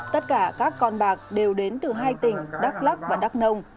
tất cả các con bạc đều đến từ hai tỉnh đắk lắc và đắk nông